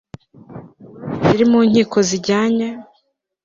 imanza ziri mu nkiko zijyanye